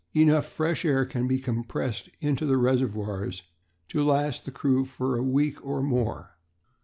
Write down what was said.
Enough fresh air can be compressed into the reservoirs to last the crew for a week or more."